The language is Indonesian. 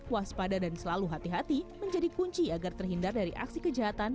waspada dan selalu hati hati menjadi kunci agar terhindar dari aksi kejahatan